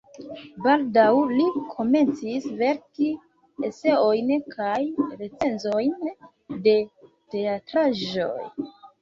Baldaŭ li komencis verki eseojn kaj recenzojn de teatraĵoj.